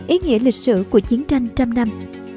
ý nghĩa lịch sử của chiến tranh trăm năm